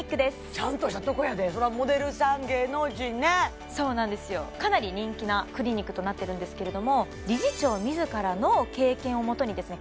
ちゃんとしたとこやでそりゃモデルさん芸能人ねそうなんですよかなり人気なクリニックとなってるんですけれども理事長自らの経験をもとにですね